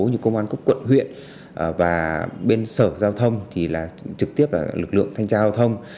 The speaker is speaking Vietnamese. như công an quốc quận huyện và bên sở giao thông trực tiếp lực lượng thanh tra giao thông